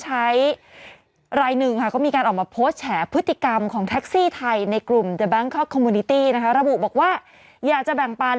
ใช่หน่อยก็กลับมาบ้านอีกเขาก็จำได้ไง